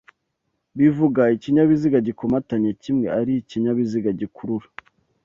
bivuga ikinyabiziga gikomatanye kimwe ali ikinyabiziga gikurura